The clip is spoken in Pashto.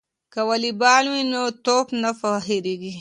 که والیبال وي نو ټوپ نه هیریږي.